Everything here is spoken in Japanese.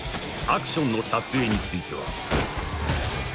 ［アクションの撮影については］